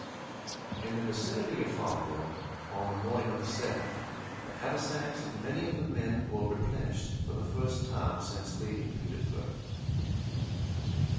In the vicinity of Farmville, on the morning of the 7th, the haversacks of many of the men were replenished for the first time since leaving Petersburg.